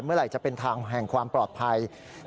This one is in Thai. เมื่อไหร่จะเป็นทางแห่งความปลอดภัย